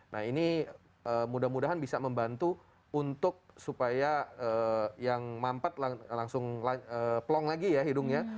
nah ini mudah mudahan bisa membantu untuk supaya yang mampet langsung plong lagi ya hidungnya